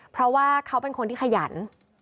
เพราะว่าเขาเป็นคนที่ขยัน